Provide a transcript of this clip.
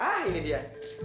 ah ini dia